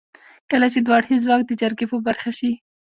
کله چې دوه اړخيز واک د جرګې په برخه شي.